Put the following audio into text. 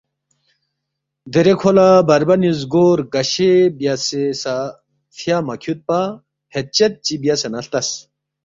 دیرے کھو لہ بربنی زگو رگشے بیاسے سہ فیا مہ کھیُودپا فید چد چی بیاسے نہ ہلتس